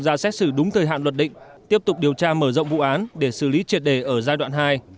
ra xét xử đúng thời hạn luật định tiếp tục điều tra mở rộng vụ án để xử lý triệt đề ở giai đoạn hai